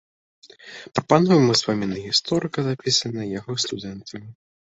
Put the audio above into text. Прапануем ўспаміны гісторыка, запісаныя яго студэнтамі.